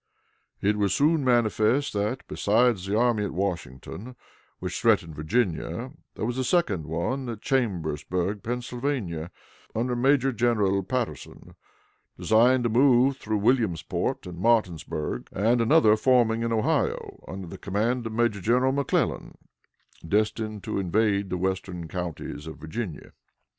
It was soon manifest that, besides the army at Washington, which threatened Virginia, there was a second one at Chambersburg, Pennsylvania, under Major General Patterson, designed to move through Williamsport and Martinsburg, and another forming in Ohio, under the command of Major General McClellan, destined to invade the western counties of Virginia.